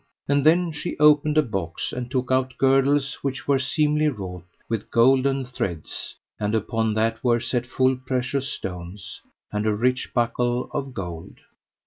And then she opened a box, and took out girdles which were seemly wrought with golden threads, and upon that were set full precious stones, and a rich buckle of gold.